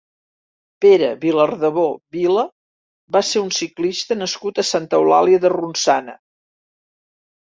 Pere Vilardebó Vila va ser un ciclista nascut a Santa Eulàlia de Ronçana.